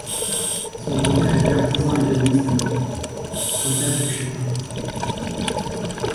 Son grand-père était artisan et violoniste amateur, son père fut chef d'orchestre.